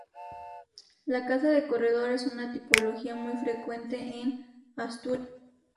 La casa de corredor es una tipología muy frecuente en Asturias.